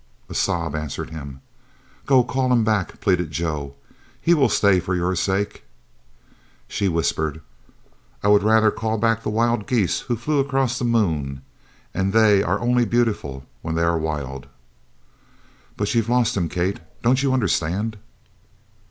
A sob answered him. "Go call him back," pleaded Joe. "He will stay for your sake." She whispered: "I would rather call back the wild geese who flew across the moon. And they are only beautiful when they are wild!" "But you've lost him, Kate, don't you understand?"